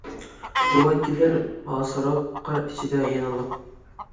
بوۋاي كېلەر ھاسىراپ، قار ئىچىدە يەنىلا.